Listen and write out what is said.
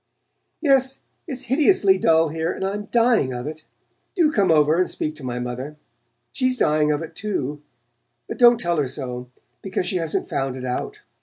"Yes it's hideously dull here, and I'm dying of it. Do come over and speak to my mother. She's dying of it too; but don't tell her so, because she hasn't found it out.